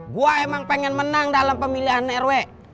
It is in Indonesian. gue emang pengen menang dalam pemilihan rw